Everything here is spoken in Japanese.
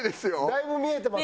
だいぶ見えてます。